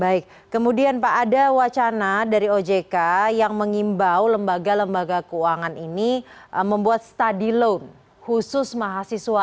baik kemudian pak ada wacana dari ojk yang mengimbau lembaga lembaga keuangan ini membuat stadium khusus mahasiswa